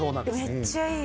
めっちゃいい。